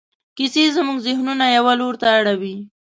کیسې زموږ ذهنونه یوه لور ته اړوي.